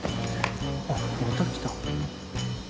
あっまた来た。